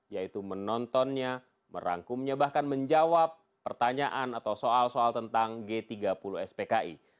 yaitu menontonnya merangkumnya bahkan menjawab pertanyaan atau soal soal tentang g tiga puluh spki